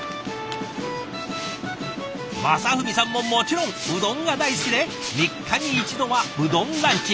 正文さんももちろんうどんが大好きで３日に一度はうどんランチ。